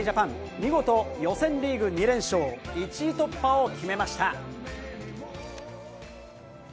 見事、予選リーグ２連勝、１位突破を決めました。